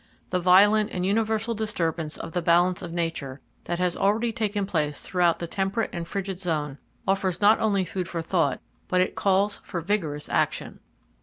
The violent and universal disturbance of the balance of Nature that already has taken place throughout the temperate and frigid zone offers not only food for thought, but it calls for vigorous action.